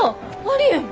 ありえん！